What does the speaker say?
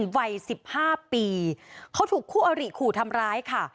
วัย๑๕ปีเขาถูกคู่อริขู่ทำร้ายค่ะ